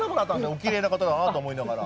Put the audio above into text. おきれいな方だなと思いながら。